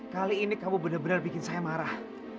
kali ini kamu benar benar bikin saya marah